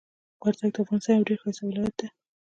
وردګ د افغانستان یو ډیر ښایسته ولایت ده.